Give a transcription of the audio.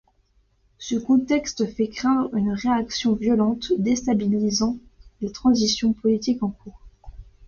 Ce contexte fait craindre une réaction violente déstabilisant la transition politique en cours.